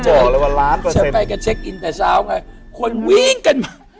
จะไปกับเช็คอินที่แต่เช้าไงคนวิ่งกัน